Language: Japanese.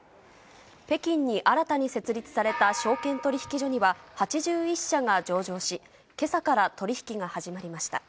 北京に新たに設立された証券取引所には、８１社が上場し、けさから取り引きが始まりました。